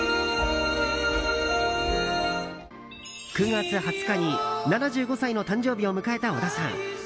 ９月２０日に７５歳の誕生日を迎えた小田さん。